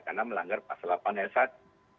karena melanggar pasal delapan sat